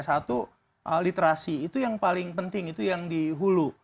satu literasi itu yang paling penting itu yang dihulu